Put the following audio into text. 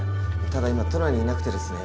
ただ今都内にいなくてですね